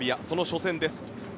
その初戦です。